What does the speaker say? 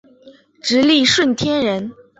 直隶顺天人。